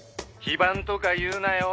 非番とか言うなよ」